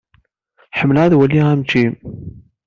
Ḥemmleɣ ad waliɣ ameččim.